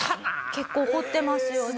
結構掘ってますよね。